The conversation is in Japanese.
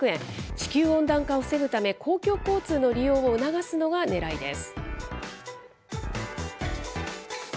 地球温暖化を防ぐため、公共交通の利用を促すのがねらいです。